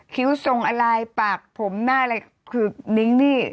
คิ้วทรงอะไรปากผมหน้าอะไรคือนิ้งนี่